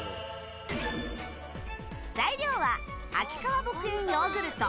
材料は秋川牧園ヨーグルト